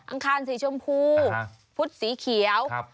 อังคารสีชมพูอ่าฮะพุทธสีเขียวครับ